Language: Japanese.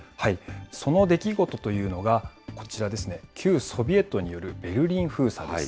その出来事というのがこちらですね、旧ソビエトによるベルリン封鎖です。